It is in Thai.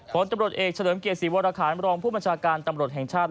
ข้อนทำรถเอกเฉลิมเกียรติสีวราคาพบรองผู้มัชการตำรวจแห่งชาติ